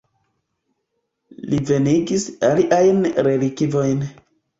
Li venigis aliajn relikvojn.